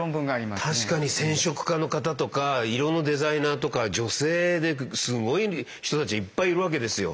確かに染織家の方とか色のデザイナーとか女性ですごい人たちいっぱいいるわけですよ。